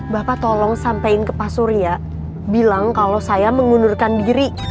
bapak tolong sampaikan ke pak surya bilang kalau saya mengundurkan diri